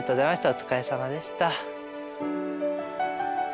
お疲れさまでした。